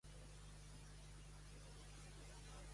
Ningú és millor que u.